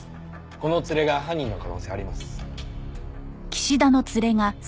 この連れが犯人の可能性あります。